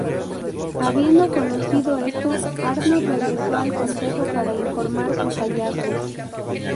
Habiendo conocido esto, Arno regresó al Consejo para informar sus hallazgos.